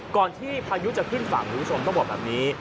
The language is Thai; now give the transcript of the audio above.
ก่อนที่พายุจะขึ้นฝั่งคุณผู้ชมต้องบอกแบบนี้